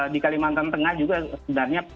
di kalimantan tengah juga sebenarnya